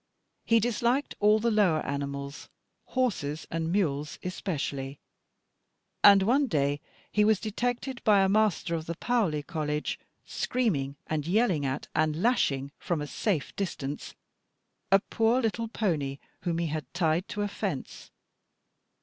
He disliked all the lower animals, horses and mules especially; and one day he was detected by a master of the Paoli College, screaming, and yelling at, and lashing, from a safe distance, a poor little pony whom he had tied to a fence.